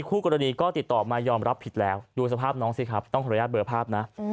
คู่กรณีก็ติดต่อมายอมรับผิดแล้วดูสภาพน้องสิครับต้องขออนุญาตเบอร์ภาพนะ